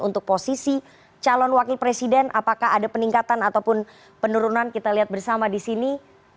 untuk posisi calon wakil presiden apakah ada peningkatan ataupun penurunan kita lihat bersama di sini